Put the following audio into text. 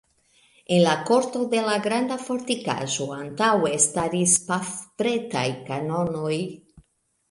En la korto de la granda fortikaĵo antaŭe staris pafpretaj kanonoj.